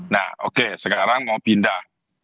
nah oke sekarang mau pindah